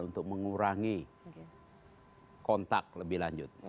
untuk mengurangi kontak lebih lanjut